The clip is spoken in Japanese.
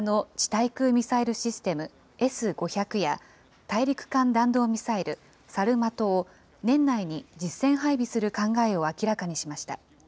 対空ミサイルシステム、Ｓ５００や、大陸間弾道ミサイル、サルマトを年内に実戦配備する考えを明らかにしました。